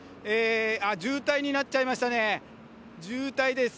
あっ、渋滞になっちゃいましたね、渋滞です。